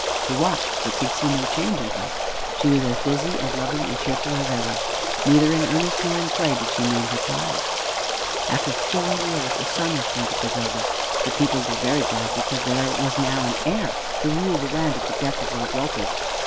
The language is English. He watched, but could see no change in her. She was as busy and loving and cheerful as ever. Neither in earnest nor in play did she name her child. After four years a son was born to Griselda. The people were very glad because there was now an heir to rule the land at the death of Lord Walter.